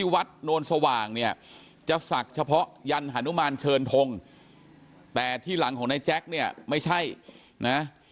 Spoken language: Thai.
วัดโนนสว่างเนี่ยจะศักดิ์เฉพาะยันหานุมานเชิญทงแต่ที่หลังของนายแจ๊คเนี่ยไม่ใช่นะ